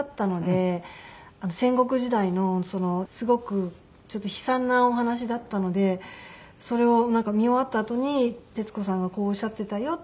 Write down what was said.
戦国時代のすごくちょっと悲惨なお話だったのでそれを見終わったあとに徹子さんがこうおっしゃっていたよって